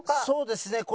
そうですね。